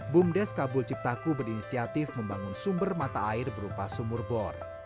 bumdes kabul ciptaku berinisiatif membangun sumber mata air berupa sumur bor